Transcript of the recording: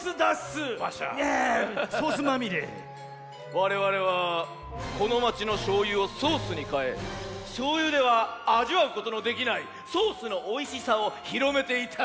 われわれはこのまちのしょうゆをソースにかえしょうゆではあじわうことのできないソースのおいしさをひろめていたのだ。